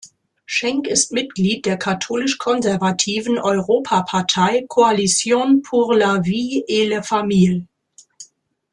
Schenk ist Mitglied der katholisch-konservativen Europapartei Coalition pour la Vie et la Famille.